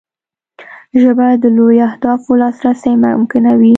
ژبه د لویو اهدافو لاسرسی ممکنوي